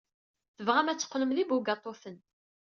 Tebɣam ad teqqlem d ibugaṭuten.